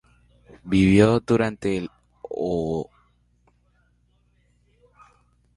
Vivió durante el Eoceno superior y el Oligoceno.